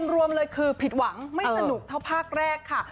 รวมเลยคือผิดหวังไม่สนุกเท่าภาคแรกค่ะ